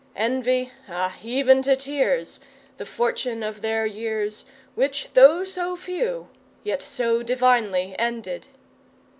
Envy ah! even to tears! The fortune of their years Which, though so few, yet so divinely ended.